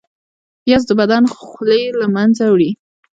پیاز د بدن خولې له منځه وړي